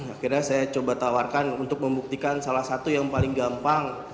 akhirnya saya coba tawarkan untuk membuktikan salah satu yang paling gampang